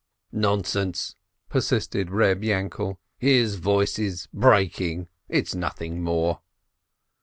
. "Nonsense!" persisted Eeb Yainkel. "His voice is breaking — it's nothing more